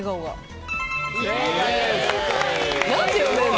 何で読めんの？